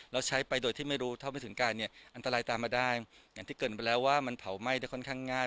เราใช้ไปโดยที่ไม่รู้เท่าไม่ถึงการเนี่ยอันตรายตามมาได้อย่างที่เกิดไปแล้วว่ามันเผาไหม้ได้ค่อนข้างง่าย